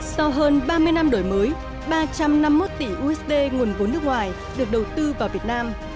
sau hơn ba mươi năm đổi mới ba trăm năm mươi một tỷ usd nguồn vốn nước ngoài được đầu tư vào việt nam